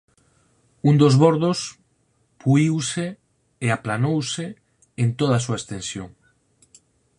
Un dos bordos puíuse e aplanouse en toda a súa extensión.